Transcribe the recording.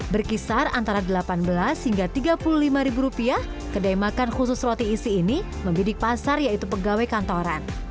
berkisar antara delapan belas hingga tiga puluh lima ribu rupiah kedai makan khusus roti isi ini membidik pasar yaitu pegawai kantoran